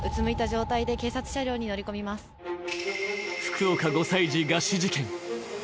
福岡５歳児餓死事件。